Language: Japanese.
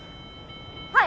はい！